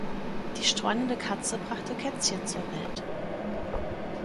Die streunende Katze brachte Kätzchen zur Welt.